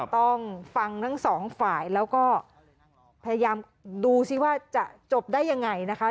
ต้องฟังทั้งสองฝ่ายแล้วก็พยายามดูสิว่าจะจบได้ยังไงนะคะ